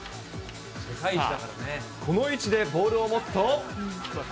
この位置でボールを持つと。